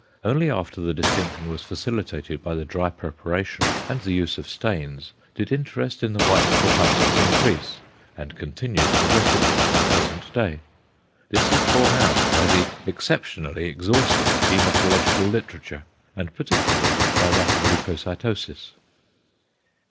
Only after the distinction was facilitated by the dry preparation and the use of stains, did interest in the white corpuscles increase, and continue progressively to the present day. This is borne out by the exceptionally exhaustive hæmatological literature, and particularly by that of leucocytosis.